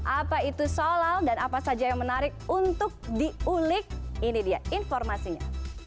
apa itu solal dan apa saja yang menarik untuk diulik ini dia informasinya